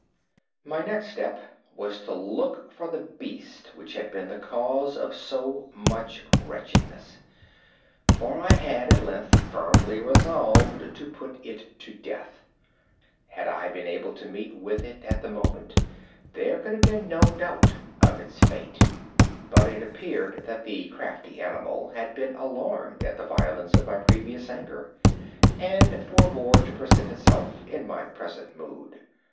My next step was to look for the beast which had been the cause of so much wretchedness; for I had, at length, firmly resolved to put it to death. Had I been able to meet with it, at the moment, there could have been no doubt of its fate; but it appeared that the crafty animal had been alarmed at the violence of my previous anger, and forebore to present itself in my present mood.